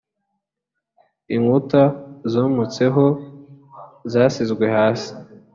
inkuta zometseho zasizwe hasi